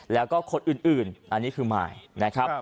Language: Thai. แล้วก็คนอื่นอันนี้คือไมล์